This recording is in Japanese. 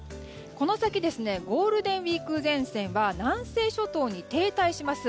この先ゴールデンウィーク前線は南西諸島に停滞します。